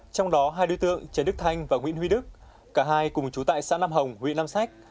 trong đó hai đối tượng trần đức thanh và nguyễn huy đức cả hai cùng chú tại xã nam hồng huyện nam sách